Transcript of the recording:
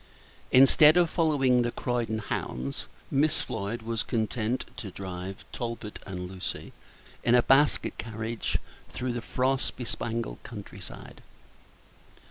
Instead of following the Croydon hounds, Miss Floyd was content to drive Talbot and Lucy in a basket carriage through the frost bespangled country side.